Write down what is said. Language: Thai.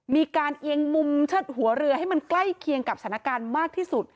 มีการเอียงมุมเชิดหัวเรือให้มันใกล้เคียงกับสถานการณ์มากที่สุด